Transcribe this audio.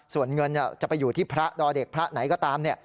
ส่วนเงินจะไปอยู่ที่พระดอเด็กพระไหนก็ตาม